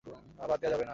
না, বাদ দেয়া যাবে না।